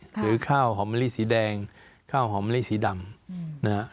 หรือข้าวหอมลิสีแดงข้าวหอมลิสีดำนะครับ